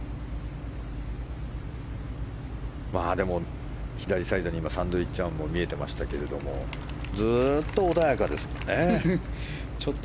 でも、左サイドに今サンドウィッチ湾も見えていましたがずっと穏やかですね。